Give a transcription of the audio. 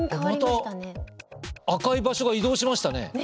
また赤い場所が移動しましたね。